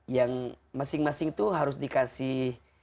yang masing masing itu harus dikasih